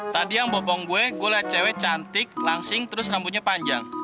tadi yang bopong gue cewek cantik langsing terus rambutnya panjang